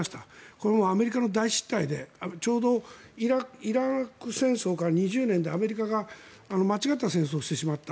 これ、アメリカの大失態でちょうどイラク戦争から２０年でアメリカが間違った戦争をしてしまった。